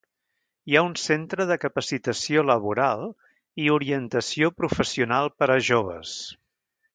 Hi ha un centre de capacitació laboral i orientació professional per a joves.